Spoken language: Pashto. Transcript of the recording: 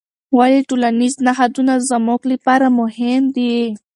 ولې ټولنیز نهادونه زموږ لپاره مهم دي؟